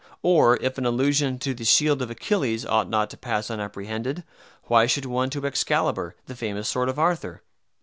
Or if an allusion to the shield of Achilles ought not to pass unapprehended, why should one to Excalibar, the famous sword of Arthur?